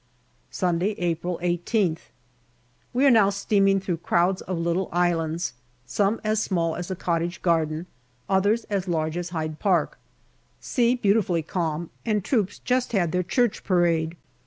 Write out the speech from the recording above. Sunday, April 18th. We are now steaming through crowds of little islands, some as small as a cottage garden, others as large as Hyde Park. Sea beautifully calm, and troops just had their Church Parade.